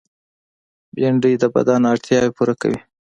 بېنډۍ د بدن اړتیاوې پوره کوي